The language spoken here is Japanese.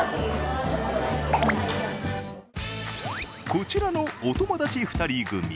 こちらのお友達２人組。